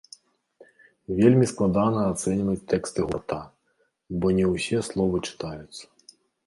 Вельмі складана ацэньваць тэксты гурта, бо не ўсе словы чытаюцца.